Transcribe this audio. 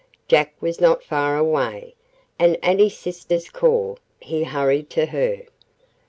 Jack was not far away, and at his sister's call he hurried to her.